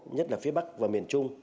nhất là phía bắc và miền trung